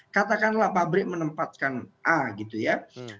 katakanlah pabrik menempatkan a gitu ya